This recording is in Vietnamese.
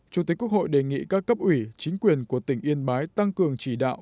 chủ tịch quốc hội đề nghị các cấp ủy chính quyền của tỉnh yên bái tăng cường chỉ đạo